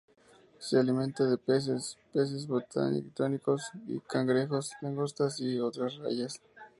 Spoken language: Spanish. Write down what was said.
Se alimenta de peces, peces bentónicos, cangrejos, langostas y otras rayas.